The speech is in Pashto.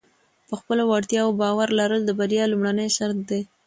په خپلو وړتیاو باور لرل د بریا لومړنی شرط دی.